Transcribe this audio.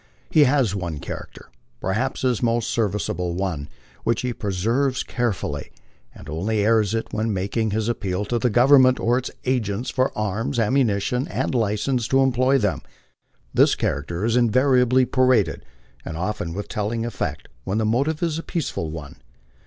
He has one character, perhaps his most serviceable one, which he preserves carefully, and only airs it when making his appeal to the Government or its agents for arms, ammunition, and license to employ them. This character is invariably paraded, and often with telling effect, when the motive is a peaceful one.